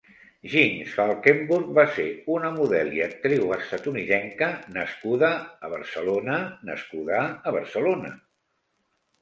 Jinx Falkenburg va ser una model i actriu estatunidenca nascuda a Barcelona nascuda a Barcelona.